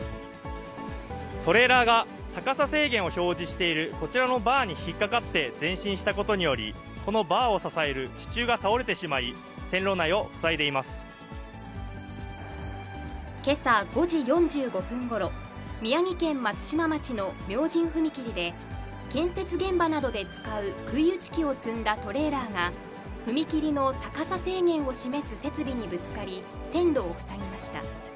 トレーラーが高さ制限を表示しているこちらのバーに引っ掛かって、前進したことにより、このバーを支える支柱が倒れてしまい、けさ５時４５分ごろ、宮城県松島町の明神踏切で、建設現場などで使うくい打ち機を積んだトレーラーが、踏切の高さ制限を示す設備にぶつかり、線路を塞ぎました。